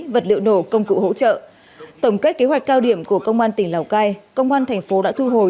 vật liệu nổ công cụ hỗ trợ tổng kết kế hoạch cao điểm của công an tỉnh lào cai công an thành phố đã thu hồi